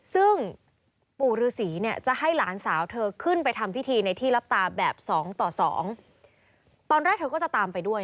ซึ่งปู่รือศรีจะให้หลานสาวเธอขึ้นไปทำพิธีในที่รับตาแบบ๒ต่อ๒